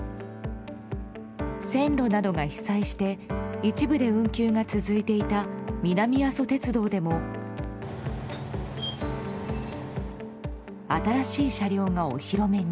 線路などが被災して一部で運休が続いていた南阿蘇鉄道でも新しい車両のお披露目に。